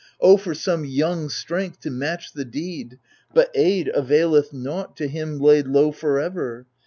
O for some young strength To match the need ! but aid availeth nought To him laid low for ever.